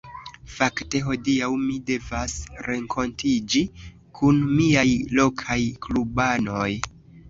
Fakte hodiaŭ mi devas renkontiĝi kun miaj lokaj klubanoj.